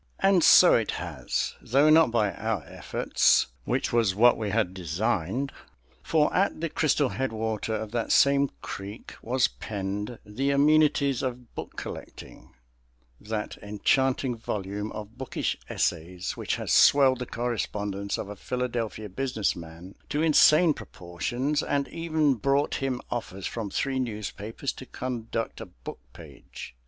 And so it has, though not by our efforts, which was what we had designed; for at the crystal headwater of that same creek was penned "The Amenities of Book Collecting," that enchanting volume of bookish essays which has swelled the correspondence of a Philadelphia business man to insane proportions, and even brought him offers from three newspapers to conduct a book page.